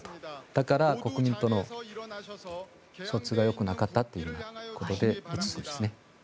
だから国民との疎通がよくなかったということで移すんですね。